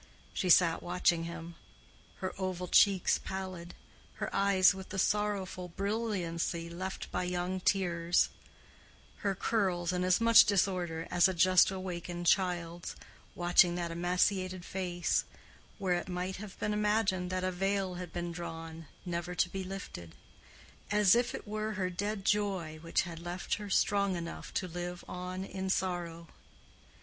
She sat watching him—her oval cheeks pallid, her eyes with the sorrowful brilliancy left by young tears, her curls in as much disorder as a just awakened child's—watching that emaciated face, where it might have been imagined that a veil had been drawn never to be lifted, as if it were her dead joy which had left her strong enough to live on in sorrow.